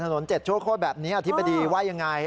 ถนนเจ็ดชั่วโค้งแบบนี้อธิบดีว่ายังไง